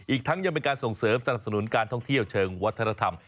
อีกทั้งยังเป็นการส่งเสริมสนับสนุนการท่องเที่ยวเชิงวัฒนธรรม